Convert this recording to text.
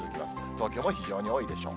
東京も非常に多いでしょう。